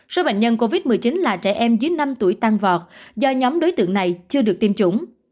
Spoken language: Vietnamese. số bệnh nhân covid một mươi chín là trẻ em dưới năm tuổi tăng vọt do nhóm đối tượng này chưa được tiêm chủng